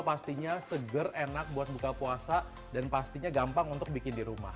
pastinya seger enak buat buka puasa dan pastinya gampang untuk bikin di rumah